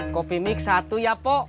kopi mix satu ya pok